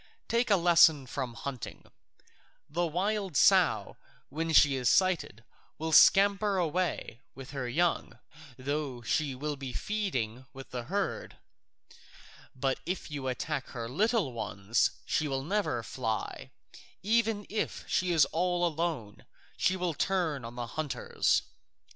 Take a lesson from hunting: the wild sow when she is sighted will scamper away with her young, though she be feeding with the herd; but if you attack her little ones she will never fly, even if she is all alone; she will turn on the hunters.